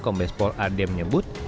kombespol ad menyebut